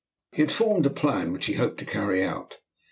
He had formed a plan which he hoped to carry out.